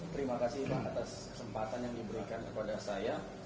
terima kasih bang atas kesempatan yang diberikan kepada saya